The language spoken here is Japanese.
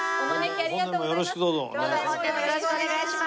ありがとうございます。